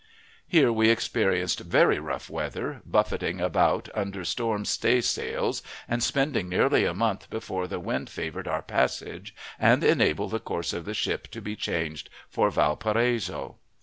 Here we experienced very rough weather, buffeting about under storm stay sails, and spending nearly a month before the wind favored our passage and enabled the course of the ship to be changed for Valparaiso.